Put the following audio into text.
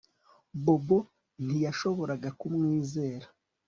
Bobo ntiyashoboraga kumwizera